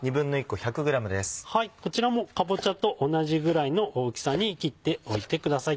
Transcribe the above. こちらもかぼちゃと同じぐらいの大きさに切っておいてください。